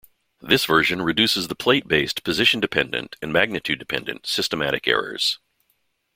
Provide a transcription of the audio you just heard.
This version reduces the plate-based position-dependent and magnitude-dependent systematic errors.